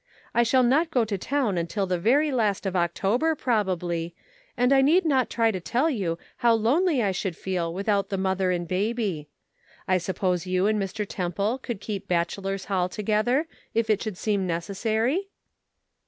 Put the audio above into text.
I shall not go to town until the very last of October, probably, and I need not try to tell you how lonely I should feel without the mother and baby. I suppose you and Mr. Temple could keep bachelors' hall together, if it should seem necessary?"